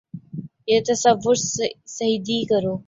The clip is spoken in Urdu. یہ تصویر سیدھی کرو